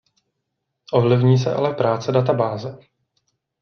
Ovlivní se ale práce databáze.